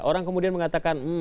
orang kemudian mengatakan